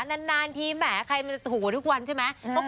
นานทีแหมใครมันจะถูทุกวันใช่ไหม